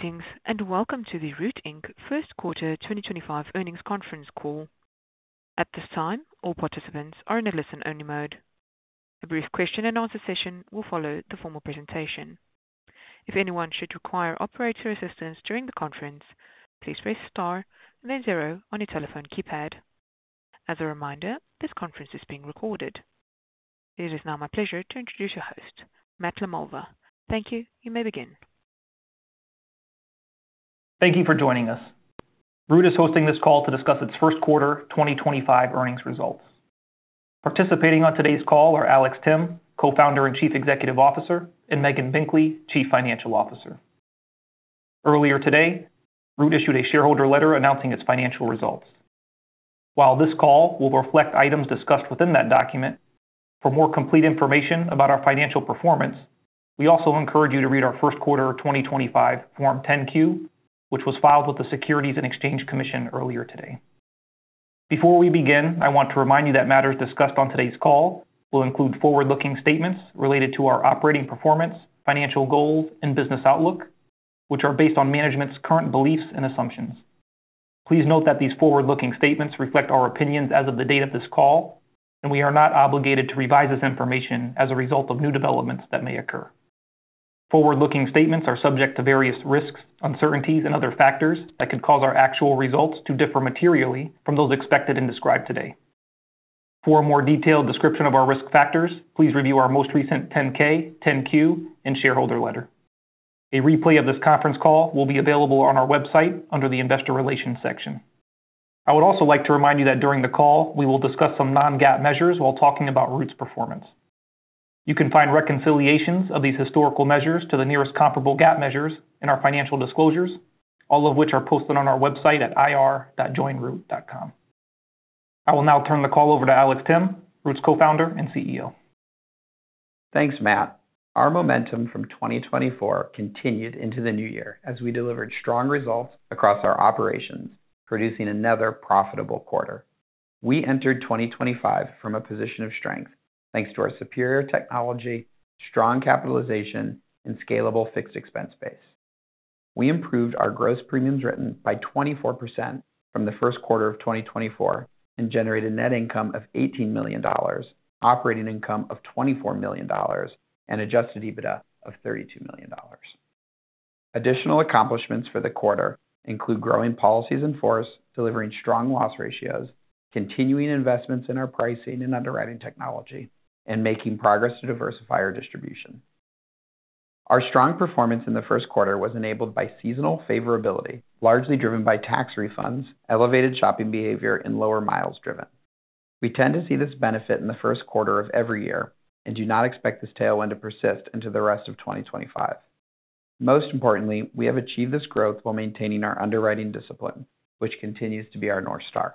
Greetings and welcome to the Root First Quarter 2025 earnings conference call. At this time, all participants are in a listen-only mode. A brief question-and-answer session will follow the formal presentation. If anyone should require operator assistance during the conference, please press star then zero on your telephone keypad. As a reminder, this conference is being recorded. It is now my pleasure to introduce your host, Matt LaMalva. Thank you. You may begin. Thank you for joining us. Root is hosting this call to discuss its First Quarter 2025 earnings results. Participating on today's call are Alex Timm, Co-founder and Chief Executive Officer, and Megan Binkley, Chief Financial Officer. Earlier today, Root issued a shareholder letter announcing its financial results. While this call will reflect items discussed within that document, for more complete information about our financial performance, we also encourage you to read our First Quarter 2025 Form 10Q, which was filed with the Securities and Exchange Commission earlier today. Before we begin, I want to remind you that matters discussed on today's call will include forward-looking statements related to our operating performance, financial goals, and business outlook, which are based on management's current beliefs and assumptions. Please note that these forward-looking statements reflect our opinions as of the date of this call, and we are not obligated to revise this information as a result of new developments that may occur. Forward-looking statements are subject to various risks, uncertainties, and other factors that could cause our actual results to differ materially from those expected and described today. For a more detailed description of our risk factors, please review our most recent 10K, 10Q, and shareholder letter. A replay of this conference call will be available on our website under the Investor Relations section. I would also like to remind you that during the call, we will discuss some non-GAAP measures while talking about Root's performance. You can find reconciliations of these historical measures to the nearest comparable GAAP measures in our financial disclosures, all of which are posted on our website at ir.joinroot.com. I will now turn the call over to Alex Timm, Root's Co-founder and CEO. Thanks, Matt. Our momentum from 2024 continued into the new year as we delivered strong results across our operations, producing another profitable quarter. We entered 2025 from a position of strength thanks to our superior technology, strong capitalization, and scalable fixed expense base. We improved our gross premiums written by 24% from the first quarter of 2024 and generated net income of $18 million, operating income of $24 million, and adjusted EBITDA of $32 million. Additional accomplishments for the quarter include growing policies in force, delivering strong loss ratios, continuing investments in our pricing and underwriting technology, and making progress to diversify our distribution. Our strong performance in the first quarter was enabled by seasonal favorability, largely driven by tax refunds, elevated shopping behavior, and lower miles driven. We tend to see this benefit in the first quarter of every year and do not expect this tailwind to persist into the rest of 2025. Most importantly, we have achieved this growth while maintaining our underwriting discipline, which continues to be our North Star.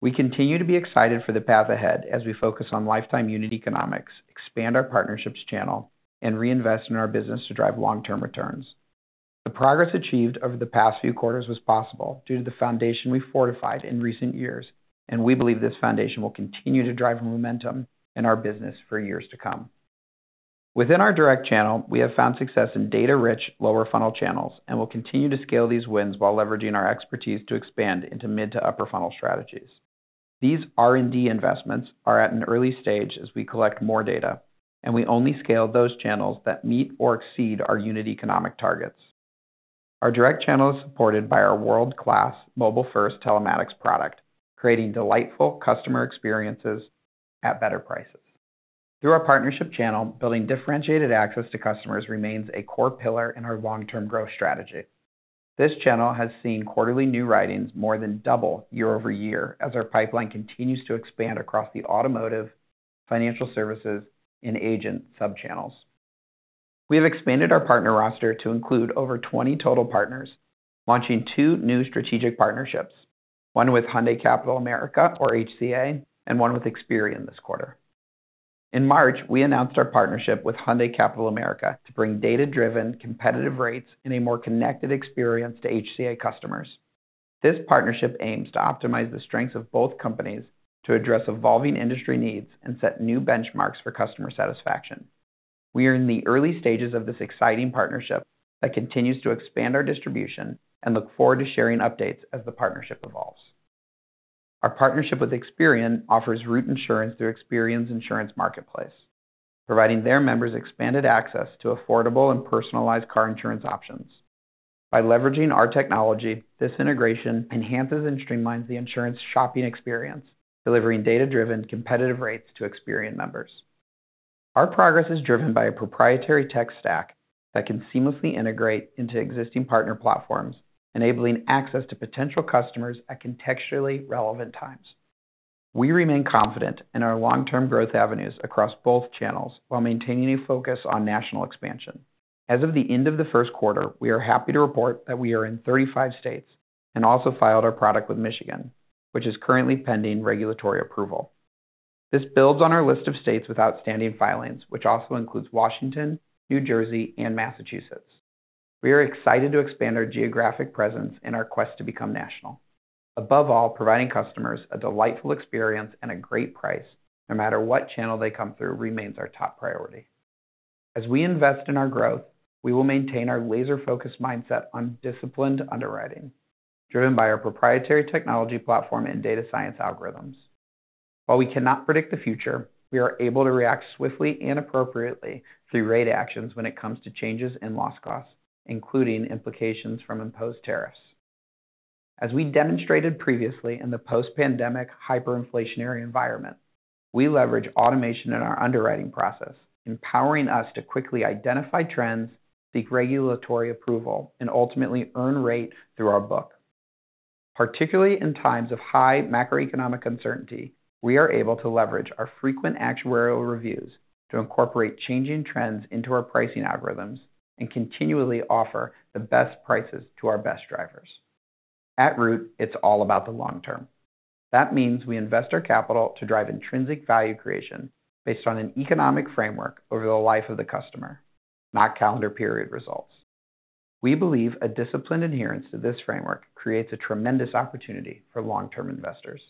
We continue to be excited for the path ahead as we focus on lifetime unit economics, expand our partnerships channel, and reinvest in our business to drive long-term returns. The progress achieved over the past few quarters was possible due to the foundation we've fortified in recent years, and we believe this foundation will continue to drive momentum in our business for years to come. Within our direct channel, we have found success in data-rich, lower-funnel channels and will continue to scale these wins while leveraging our expertise to expand into mid to upper-funnel strategies. These R&D investments are at an early stage as we collect more data, and we only scale those channels that meet or exceed our unit economic targets. Our direct channel is supported by our world-class mobile-first telematics product, creating delightful customer experiences at better prices. Through our partnership channel, building differentiated access to customers remains a core pillar in our long-term growth strategy. This channel has seen quarterly new writings more than double year over year as our pipeline continues to expand across the automotive, financial services, and agent sub-channels. We have expanded our partner roster to include over 20 total partners, launching two new strategic partnerships, one with Hyundai Capital America, or HCA, and one with Experian this quarter. In March, we announced our partnership with Hyundai Capital America to bring data-driven, competitive rates and a more connected experience to HCA customers. This partnership aims to optimize the strengths of both companies to address evolving industry needs and set new benchmarks for customer satisfaction. We are in the early stages of this exciting partnership that continues to expand our distribution and look forward to sharing updates as the partnership evolves. Our partnership with Experian offers Root Insurance through Experian's insurance marketplace, providing their members expanded access to affordable and personalized car insurance options. By leveraging our technology, this integration enhances and streamlines the insurance shopping experience, delivering data-driven, competitive rates to Experian members. Our progress is driven by a proprietary tech stack that can seamlessly integrate into existing partner platforms, enabling access to potential customers at contextually relevant times. We remain confident in our long-term growth avenues across both channels while maintaining a focus on national expansion. As of the end of the first quarter, we are happy to report that we are in 35 states and also filed our product with Michigan, which is currently pending regulatory approval. This builds on our list of states with outstanding filings, which also includes Washington, New Jersey, and Massachusetts. We are excited to expand our geographic presence and our quest to become national. Above all, providing customers a delightful experience and a great price, no matter what channel they come through, remains our top priority. As we invest in our growth, we will maintain our laser-focused mindset on disciplined underwriting, driven by our proprietary technology platform and data science algorithms. While we cannot predict the future, we are able to react swiftly and appropriately through rate actions when it comes to changes in loss costs, including implications from imposed tariffs. As we demonstrated previously in the post-pandemic hyperinflationary environment, we leverage automation in our underwriting process, empowering us to quickly identify trends, seek regulatory approval, and ultimately earn rate through our book. Particularly in times of high macroeconomic uncertainty, we are able to leverage our frequent actuarial reviews to incorporate changing trends into our pricing algorithms and continually offer the best prices to our best drivers. At Root, it's all about the long term. That means we invest our capital to drive intrinsic value creation based on an economic framework over the life of the customer, not calendar period results. We believe a disciplined adherence to this framework creates a tremendous opportunity for long-term investors.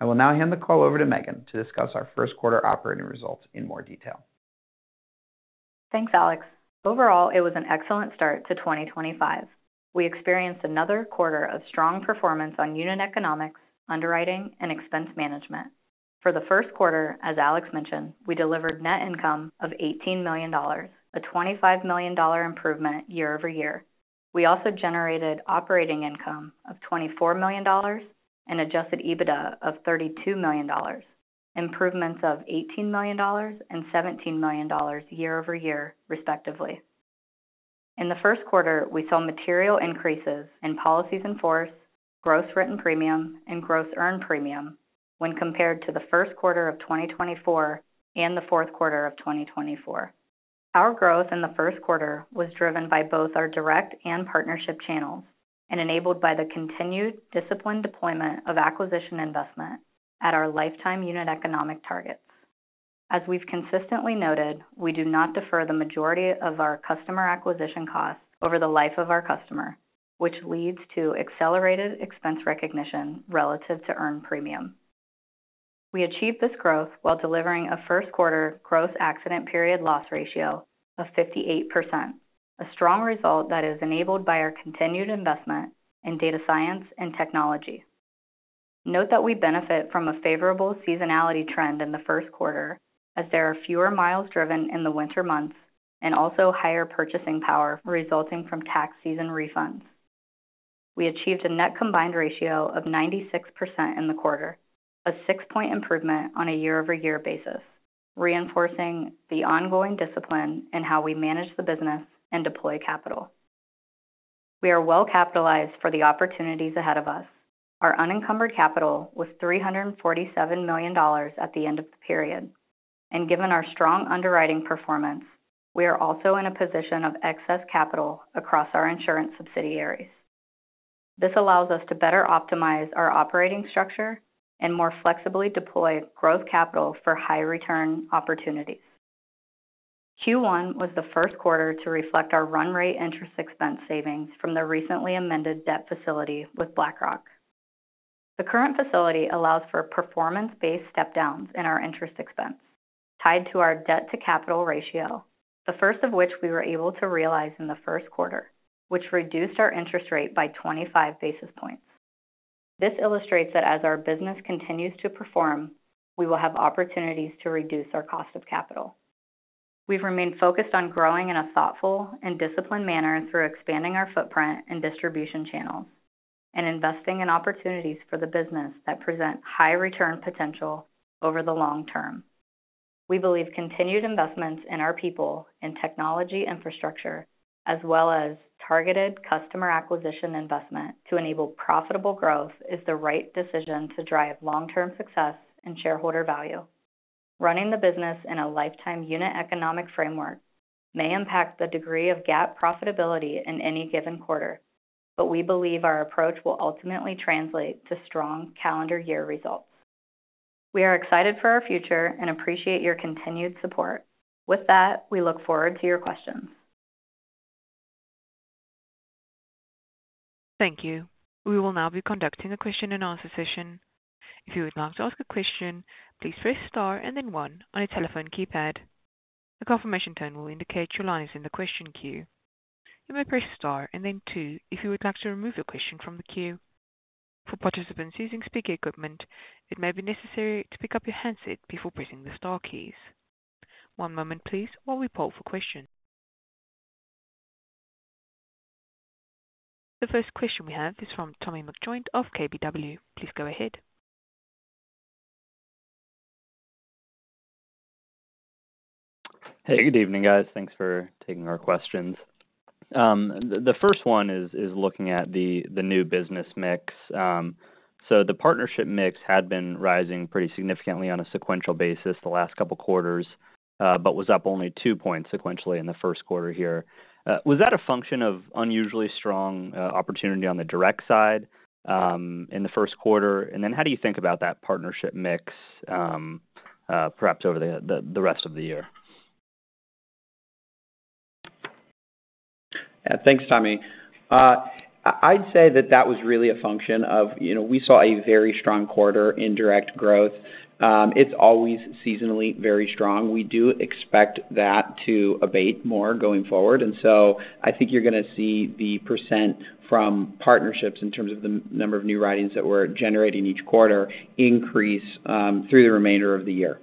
I will now hand the call over to Megan to discuss our first quarter operating results in more detail. Thanks, Alex. Overall, it was an excellent start to 2025. We experienced another quarter of strong performance on unit economics, underwriting, and expense management. For the first quarter, as Alex mentioned, we delivered net income of $18 million, a $25 million improvement year over year. We also generated operating income of $24 million and adjusted EBITDA of $32 million, improvements of $18 million and $17 million year over year, respectively. In the first quarter, we saw material increases in policies in force, gross written premium, and gross earned premium when compared to the first quarter of 2024 and the fourth quarter of 2024. Our growth in the first quarter was driven by both our direct and partnership channels and enabled by the continued disciplined deployment of acquisition investment at our lifetime unit economic targets. As we've consistently noted, we do not defer the majority of our customer acquisition costs over the life of our customer, which leads to accelerated expense recognition relative to earned premium. We achieved this growth while delivering a first quarter gross accident period loss ratio of 58%, a strong result that is enabled by our continued investment in data science and technology. Note that we benefit from a favorable seasonality trend in the first quarter, as there are fewer miles driven in the winter months and also higher purchasing power resulting from tax season refunds. We achieved a net combined ratio of 96% in the quarter, a six-point improvement on a year-over-year basis, reinforcing the ongoing discipline in how we manage the business and deploy capital. We are well capitalized for the opportunities ahead of us. Our unencumbered capital was $347 million at the end of the period, and given our strong underwriting performance, we are also in a position of excess capital across our insurance subsidiaries. This allows us to better optimize our operating structure and more flexibly deploy growth capital for high-return opportunities. Q1 was the first quarter to reflect our run rate interest expense savings from the recently amended debt facility with BlackRock. The current facility allows for performance-based step-downs in our interest expense tied to our debt-to-capital ratio, the first of which we were able to realize in the first quarter, which reduced our interest rate by 25 basis points. This illustrates that as our business continues to perform, we will have opportunities to reduce our cost of capital. We've remained focused on growing in a thoughtful and disciplined manner through expanding our footprint and distribution channels and investing in opportunities for the business that present high-return potential over the long term. We believe continued investments in our people and technology infrastructure, as well as targeted customer acquisition investment to enable profitable growth, is the right decision to drive long-term success and shareholder value. Running the business in a lifetime unit economic framework may impact the degree of GAAP profitability in any given quarter, but we believe our approach will ultimately translate to strong calendar year results. We are excited for our future and appreciate your continued support. With that, we look forward to your questions. Thank you. We will now be conducting a question and answer session. If you would like to ask a question, please press Star and then One on a telephone keypad. The confirmation tone will indicate your line is in the question queue. You may press Star and then Two if you would like to remove a question from the queue. For participants using speaker equipment, it may be necessary to pick up your handset before pressing the Star keys. One moment, please, while we poll for questions. The first question we have is from Tommy McJoynt of KBW. Please go ahead. Hey, good evening, guys. Thanks for taking our questions. The first one is looking at the new business mix. So the partnership mix had been rising pretty significantly on a sequential basis the last couple of quarters, but was up only two points sequentially in the first quarter here. Was that a function of unusually strong opportunity on the direct side in the first quarter? And then how do you think about that partnership mix, perhaps over the rest of the year? Yeah, thanks, Tommy. I'd say that that was really a function of, you know, we saw a very strong quarter in direct growth. It's always seasonally very strong. We do expect that to abate more going forward. I think you're going to see the percent from partnerships in terms of the number of new writings that we're generating each quarter increase through the remainder of the year.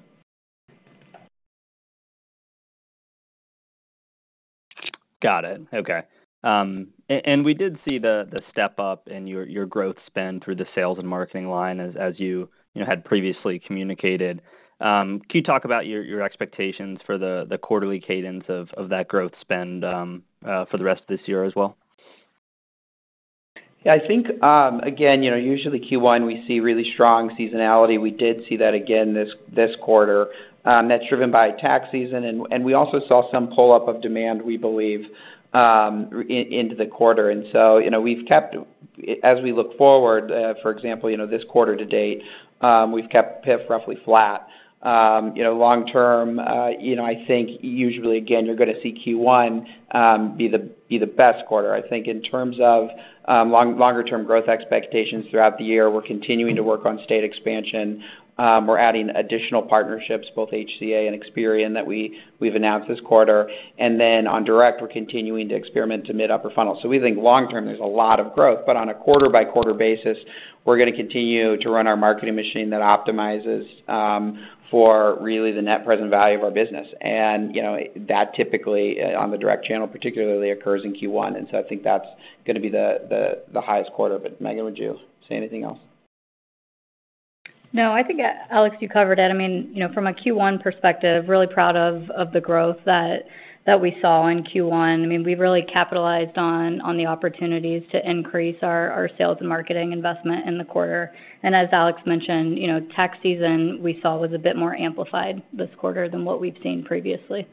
Got it. Okay. We did see the step-up in your growth spend through the sales and marketing line, as you had previously communicated. Can you talk about your expectations for the quarterly cadence of that growth spend for the rest of this year as well? Yeah, I think, again, you know, usually Q1, we see really strong seasonality. We did see that again this quarter. That's driven by tax season, and we also saw some pull-up of demand, we believe, into the quarter. You know, we've kept, as we look forward, for example, you know, this quarter to date, we've kept PIF roughly flat. You know, long term, you know, I think usually, again, you're going to see Q1 be the best quarter, I think, in terms of longer-term growth expectations throughout the year. We're continuing to work on state expansion. We're adding additional partnerships, both HCA and Experian, that we've announced this quarter. On direct, we're continuing to experiment to mid-upper funnel. We think long term, there's a lot of growth, but on a quarter-by-quarter basis, we're going to continue to run our marketing machine that optimizes for really the net present value of our business. You know, that typically on the direct channel particularly occurs in Q1. I think that's going to be the highest quarter. Megan, would you say anything else? No, I think, Alex, you covered it. I mean, you know, from a Q1 perspective, really proud of the growth that we saw in Q1. I mean, we really capitalized on the opportunities to increase our sales and marketing investment in the quarter. As Alex mentioned, you know, tax season we saw was a bit more amplified this quarter than what we've seen previously.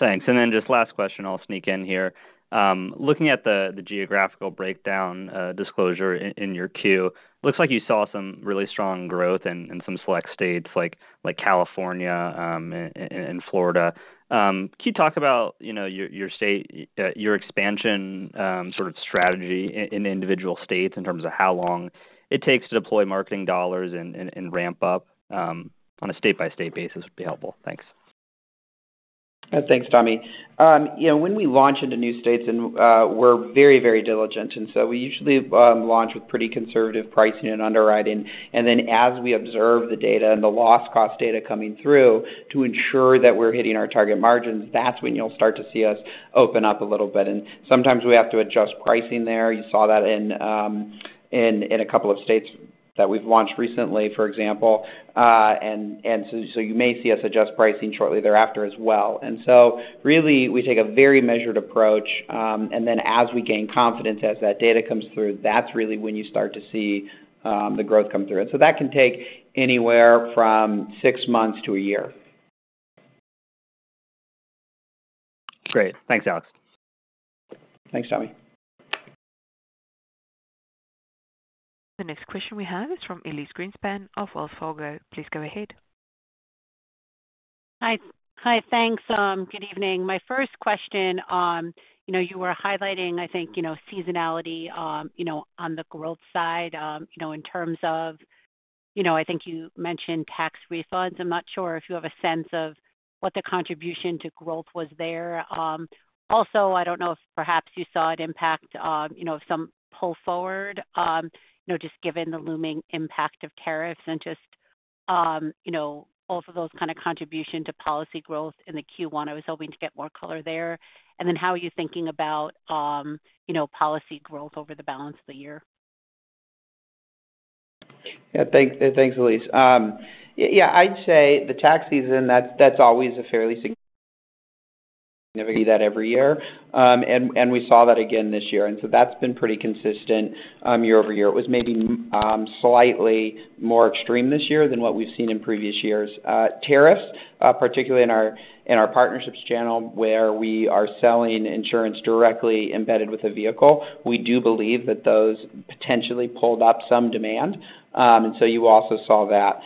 Thanks. And then just last question, I'll sneak in here. Looking at the geographical breakdown disclosure in your queue, looks like you saw some really strong growth in some select states like California and Florida. Can you talk about, you know, your state, your expansion sort of strategy in individual states in terms of how long it takes to deploy marketing dollars and ramp up on a state-by-state basis would be helpful. Thanks. Thanks, Tommy. You know, when we launch into new states, we're very, very diligent, and so we usually launch with pretty conservative pricing and underwriting. Then as we observe the data and the loss cost data coming through to ensure that we're hitting our target margins, that's when you'll start to see us open up a little bit. Sometimes we have to adjust pricing there. You saw that in a couple of states that we've launched recently, for example. You may see us adjust pricing shortly thereafter as well. We take a very measured approach. As we gain confidence as that data comes through, that's really when you start to see the growth come through. That can take anywhere from six months to a year. Great. Thanks, Alex. Thanks, Tommy. The next question we have is from Elyse Greenspan of KBW. Please go ahead. Hi. Hi, thanks. Good evening. My first question, you know, you were highlighting, I think, you know, seasonality, you know, on the growth side, you know, in terms of, you know, I think you mentioned tax refunds. I'm not sure if you have a sense of what the contribution to growth was there. Also, I don't know if perhaps you saw an impact, you know, of some pull forward, you know, just given the looming impact of tariffs and just, you know, both of those kind of contribution to policy growth in the Q1. I was hoping to get more color there. And then how are you thinking about, you know, policy growth over the balance of the year? Yeah, thanks, Elise. I'd say the tax season, that's always a fairly significant event every year. We saw that again this year, and that's been pretty consistent year over year. It was maybe slightly more extreme this year than what we've seen in previous years. Tariffs, particularly in our partnerships channel where we are selling insurance directly embedded with a vehicle, we do believe that those potentially pulled up some demand. You also saw that.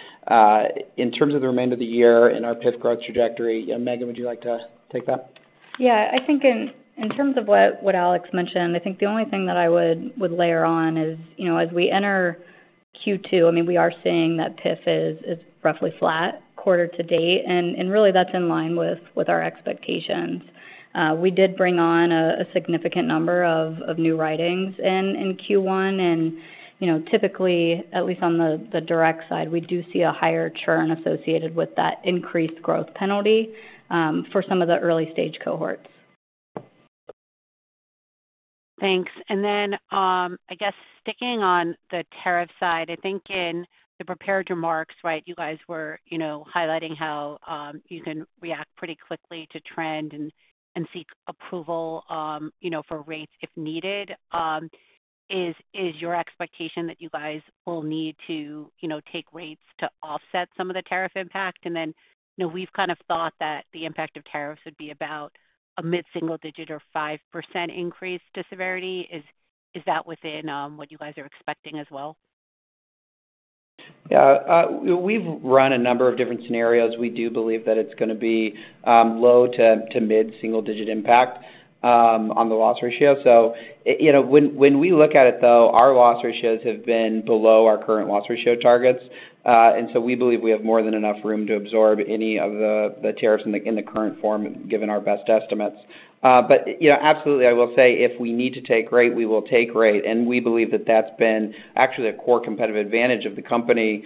In terms of the remainder of the year in our PIF growth trajectory, you know, Megan, would you like to take that? Yeah, I think in terms of what Alex mentioned, I think the only thing that I would layer on is, you know, as we enter Q2, I mean, we are seeing that PIF is roughly flat quarter to date. Really, that's in line with our expectations. We did bring on a significant number of new writings in Q1. You know, typically, at least on the direct side, we do see a higher churn associated with that increased growth penalty for some of the early-stage cohorts. Thanks. I guess sticking on the tariff side, I think in the prepared remarks, you guys were, you know, highlighting how you can react pretty quickly to trend and seek approval, you know, for rates if needed. Is your expectation that you guys will need to, you know, take rates to offset some of the tariff impact? You know, we've kind of thought that the impact of tariffs would be about a mid-single digit or 5% increase to severity. Is that within what you guys are expecting as well? Yeah, we've run a number of different scenarios. We do believe that it's going to be low to mid-single digit impact on the loss ratio. You know, when we look at it, though, our loss ratios have been below our current loss ratio targets. We believe we have more than enough room to absorb any of the tariffs in the current form, given our best estimates. You know, absolutely, I will say if we need to take rate, we will take rate. We believe that that's been actually a core competitive advantage of the company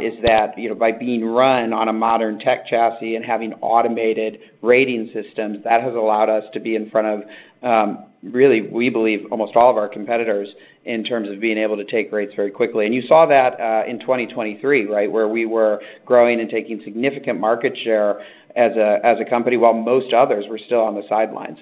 is that, you know, by being run on a modern tech chassis and having automated rating systems, that has allowed us to be in front of really, we believe, almost all of our competitors in terms of being able to take rates very quickly. You saw that in 2023, right, where we were growing and taking significant market share as a company while most others were still on the sidelines.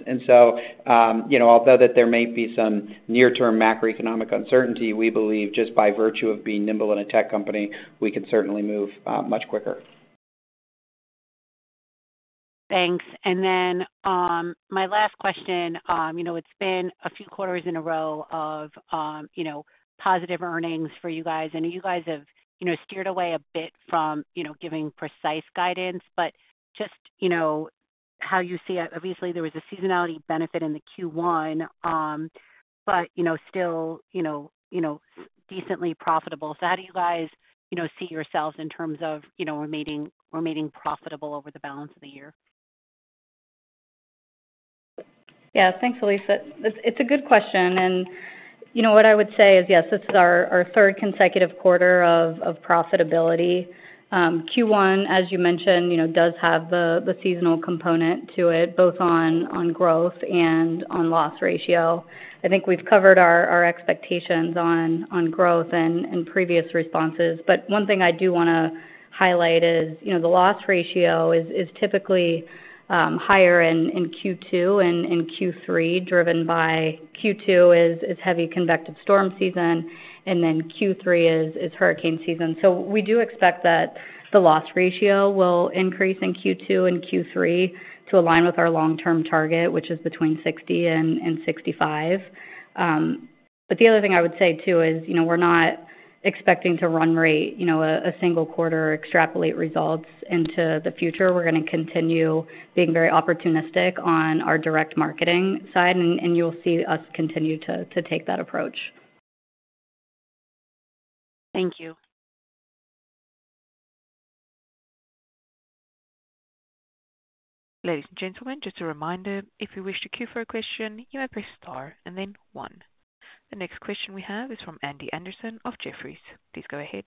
You know, although there may be some near-term macroeconomic uncertainty, we believe just by virtue of being nimble in a tech company, we could certainly move much quicker. Thanks. Then my last question, you know, it's been a few quarters in a row of, you know, positive earnings for you guys. You guys have, you know, steered away a bit from, you know, giving precise guidance, but just, you know, how you see it. Obviously, there was a seasonality benefit in the Q1, but, you know, still, you know, decently profitable. How do you guys, you know, see yourselves in terms of, you know, remaining profitable over the balance of the year? Yeah, thanks, Elyse. It's a good question. You know, what I would say is, yes, this is our third consecutive quarter of profitability. Q1, as you mentioned, you know, does have the seasonal component to it, both on growth and on loss ratio. I think we've covered our expectations on growth in previous responses. One thing I do want to highlight is, you know, the loss ratio is typically higher in Q2 and Q3, driven by Q2 is heavy convective storm season, and Q3 is hurricane season. We do expect that the loss ratio will increase in Q2 and Q3 to align with our long-term target, which is between 60% and 65%. The other thing I would say too is, you know, we're not expecting to run rate, you know, a single quarter or extrapolate results into the future. We're going to continue being very opportunistic on our direct marketing side, and you'll see us continue to take that approach. Thank you. Ladies and gentlemen, just a reminder, if you wish to queue for a question, you may press Star and then One. The next question we have is from Andy Anderson of Jefferies. Please go ahead.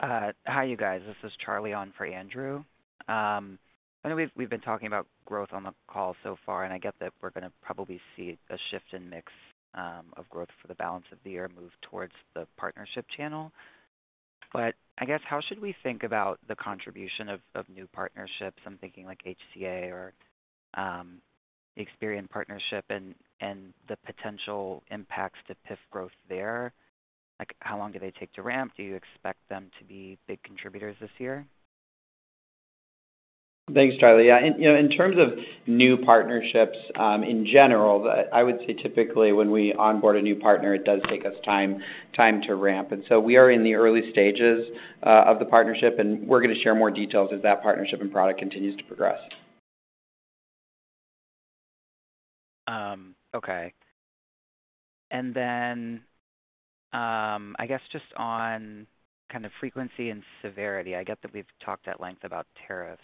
Hi, you guys. This is Charlie on for Andrew. I know we've been talking about growth on the call so far, and I get that we're going to probably see the shift in mix of growth for the balance of the year move towards the partnership channel. I guess how should we think about the contribution of new partnerships? I'm thinking like HCA or the Experian partnership and the potential impacts to PIF growth there. Like, how long do they take to ramp? Do you expect them to be big contributors this year? Thanks, Charlie. Yeah, you know, in terms of new partnerships in general, I would say typically when we onboard a new partner, it does take us time to ramp. We are in the early stages of the partnership, and we're going to share more details as that partnership and product continues to progress. Okay. And then I guess just on kind of frequency and severity, I get that we've talked at length about tariffs,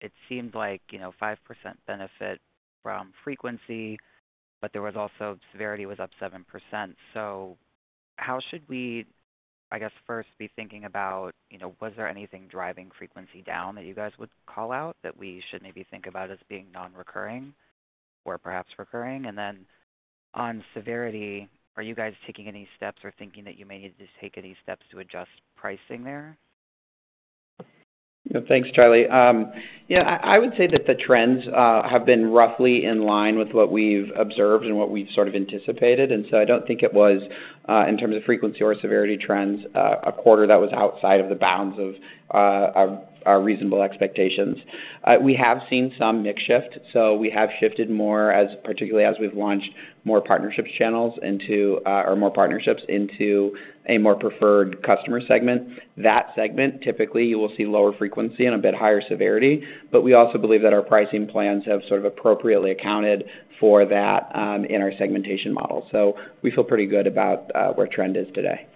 but it seemed like, you know, 5% benefit from frequency, but there was also severity was up 7%. How should we, I guess, first be thinking about, you know, was there anything driving frequency down that you guys would call out that we should maybe think about as being non-recurring or perhaps recurring? And then on severity, are you guys taking any steps or thinking that you may need to take any steps to adjust pricing there? Thanks, Charlie. You know, I would say that the trends have been roughly in line with what we've observed and what we've sort of anticipated. I don't think it was, in terms of frequency or severity trends, a quarter that was outside of the bounds of our reasonable expectations. We have seen some mix shift. We have shifted more, particularly as we've launched more partnerships channels into or more partnerships into a more preferred customer segment. That segment, typically, you will see lower frequency and a bit higher severity. We also believe that our pricing plans have sort of appropriately accounted for that in our segmentation model. We feel pretty good about where trend is today.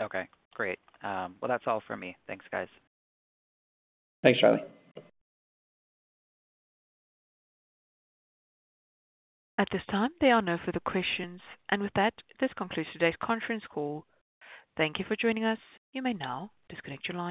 Okay, great. That's all for me. Thanks, guys. Thanks, Charlie. At this time, there are no further questions. With that, this concludes today's conference call. Thank you for joining us. You may now disconnect your line.